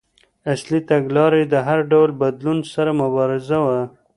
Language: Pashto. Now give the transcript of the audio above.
اصلي تګلاره یې د هر ډول بدلون سره مبارزه وه.